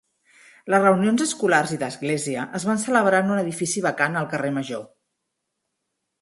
Les reunions escolars i d'església es van celebrar en un edifici vacant al carrer Major.